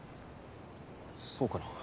そうかな？